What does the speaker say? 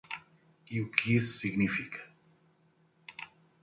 E o que isso significa?